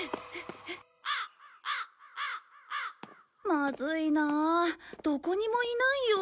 まずいなどこにもいないよ。